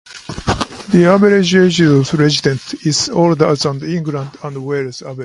The average age of residents is older than the England and Wales average.